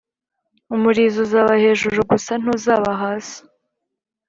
Umurizo uzaba hejuru gusa ntuzaba hasi